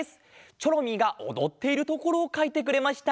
チョロミーがおどっているところをかいてくれました。